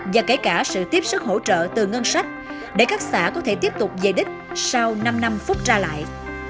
và kể cả sự tiếp sức hỗ trợ từ ngân sách để các xã có thể tiếp tục giải đích sau năm năm phút ra lại